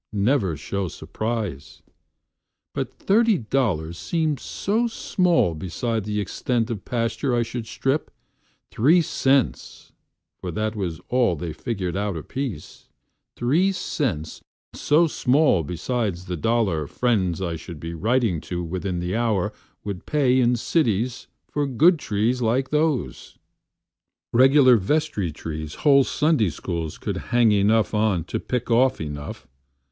Never show surprise! But thirty dollars seemed so small besideThe extent of pasture I should strip, three cents(For that was all they figured out apiece),Three cents so small beside the dollar friendsI should be writing to within the hourWould pay in cities for good trees like those, Regular vestry trees whole Sunday SchoolsCould hang enough on to pick off enough.